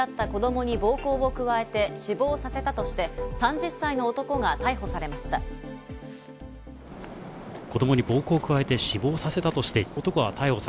子供に暴行を加えて死亡させたとして男が逮捕されました。